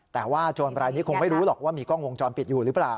แต่ว่าโจรรายนี้คงไม่รู้หรอกว่ามีกล้องวงจรปิดอยู่หรือเปล่า